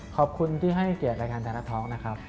ขอบคุณที่ให้เกียรติรายการแทนะทอล์กนะครับ